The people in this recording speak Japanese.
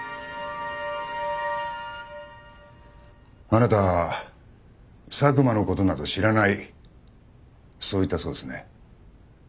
あなたは佐久間の事など知らないそう言ったそうですね。